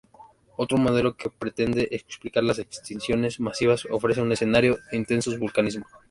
Otro modelo que pretende explicar las extinciones masivas ofrece un escenario de intenso vulcanismo.